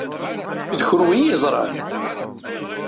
D kunwi i yeẓṛan.